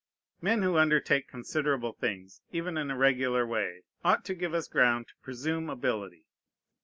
Men who undertake considerable things, even in a regular way, ought to give us ground to presume ability.